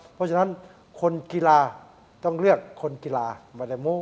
เพราะฉะนั้นคนกีฬาต้องเลือกคนกีฬามาเลโม